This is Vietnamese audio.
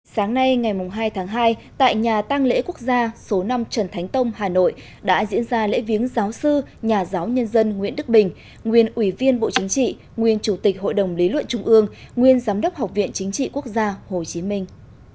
sáng nay ngày hai tháng hai tại nhà tăng lễ quốc gia số năm trần thánh tông hà nội đã diễn ra lễ viếng giáo sư nhà giáo nhân dân nguyễn đức bình nguyên ủy viên bộ chính trị nguyên chủ tịch hội đồng lý luận trung ương nguyên giám đốc học viện chính trị quốc gia hồ chí minh